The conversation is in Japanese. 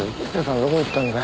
どこ行ったんだよ。